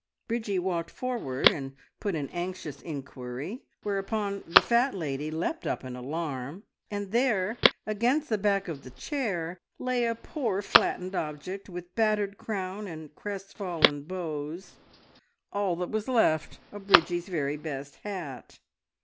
Bridgie walked forward and put an anxious Inquiry, whereupon the fat lady leapt up in alarm, and there against the back of the chair lay a poor flattened object, with battered crown and crestfallen bows all that was left of Bridgie's very best hat!